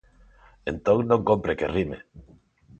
Entón non cómpre que rime.